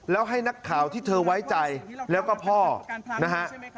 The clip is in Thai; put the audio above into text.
แล้วให้นักข่าวที่เธอไว้ใจแล้วก็พ่อนะฮะ